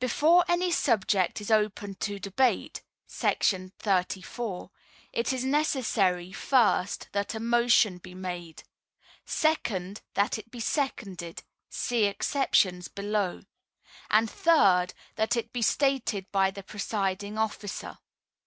Before any subject is open to debate [§ 34] it is necessary, first, that a motion he made; second, that it be seconded, (see exceptions below); and third, that it be stated by the presiding officer.